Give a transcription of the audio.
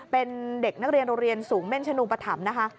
เป็นเด็กนักเรียนโรงเรียนสูงเม่นชนูปธรรมนะคะ